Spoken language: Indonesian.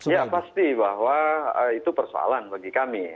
ya pasti bahwa itu persoalan bagi kami